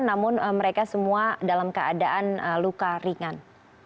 namun mereka semua dalam keadaan luka ringan